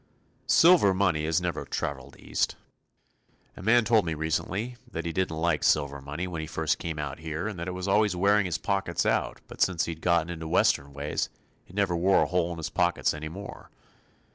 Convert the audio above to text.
Silver money has never traveled East. A man told me recently that he didn't like silver money when he first came out here and that it was always wearing his pockets out but since he'd gotten into Western ways it never wore a hole in his pockets any more.